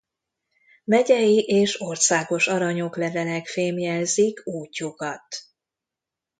Megyei és országos arany oklevelek fémjelzik útjukat.